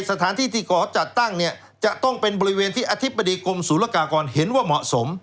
สถานที่ที่ก่อจัดตั้งเนี่ยจะต้องเป็นบริเวณที่อธิบดีกรมศูนยากากรเห็นว่าเหมาะสม